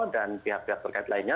dan pihak pihak perkembangan lainnya